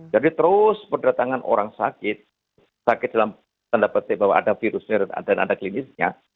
jadi terus kedatangan orang sakit sakit dalam tanda petik bahwa ada virusnya dan ada klinisnya